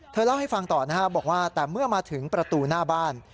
เล่าให้ฟังต่อนะครับบอกว่าแต่เมื่อมาถึงประตูหน้าบ้าน